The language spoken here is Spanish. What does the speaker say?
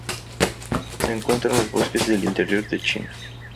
Se encuentra en los bosques del interior de China.